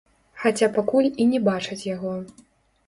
Хаця пакуль і не бачаць яго.